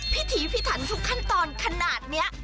พิธีพิถันทุกขั้นตอนขนาดนี้